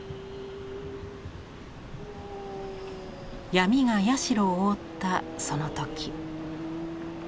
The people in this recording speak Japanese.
闇が社を覆ったその時。